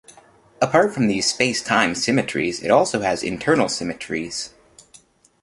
Apart from these space-time symmetries, it also has internal symmetries.